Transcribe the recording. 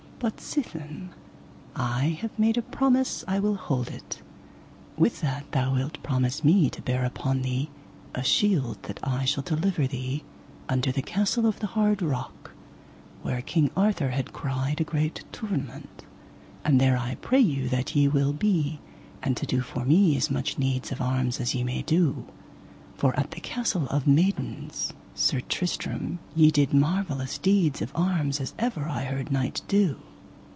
But sithen I have made a promise I will hold it, with that thou wilt promise me to bear upon thee a shield that I shall deliver thee, unto the castle of the Hard Rock, where King Arthur had cried a great tournament, and there I pray you that ye will be, and to do for me as much deeds of arms as ye may do. For at the Castle of Maidens, Sir Tristram, ye did marvellous deeds of arms as ever I heard knight do.